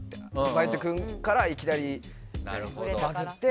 バイト君からいきなりバズって。